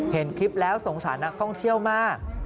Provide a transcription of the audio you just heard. เห็นคลิปแล้วสงสารนักท่องเที่ยวมาก